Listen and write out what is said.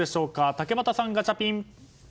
竹俣さん、ガチャピン。